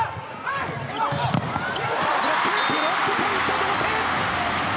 ブロックポイント同点。